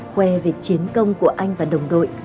khoe về chiến công của anh và đồng đội